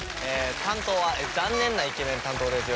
担当は残念なイケメン担当です。